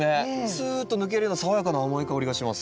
スーッと抜けるような爽やかな甘い香りがします。